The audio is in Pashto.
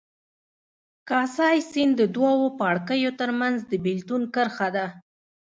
کاسای سیند د دوو پاړکیو ترمنځ د بېلتون کرښه ده.